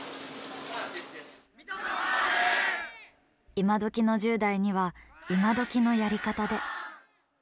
いまどきの１０代にはいまどきのやり方で。